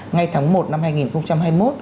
ngay tháng một năm hai nghìn hai mươi một